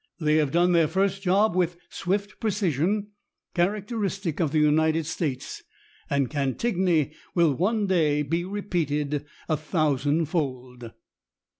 They have done their first job with swift precision, characteristic of the United States, and Cantigny will one day be repeated a thousand fold."